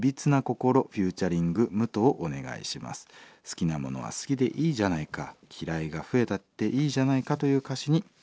『好きなものは好きでいいじゃないか嫌いが増えたっていいじゃないか』という歌詞に共感します」。